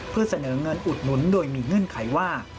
เพื่อเสนอเงินอุดหนุนโดยมีเงื่อนไขว่า